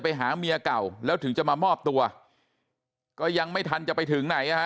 ไปหาเมียเก่าแล้วถึงจะมามอบตัวก็ยังไม่ทันจะไปถึงไหนฮะ